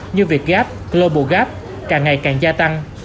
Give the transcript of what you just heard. như việt gap global gap càng ngày càng gia tăng